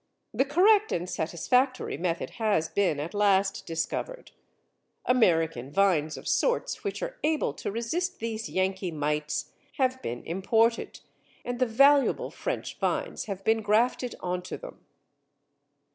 The correct and satisfactory method has been at last discovered. American vines of sorts which are able to resist these Yankee mites have been imported, and the valuable French vines have been grafted on to them.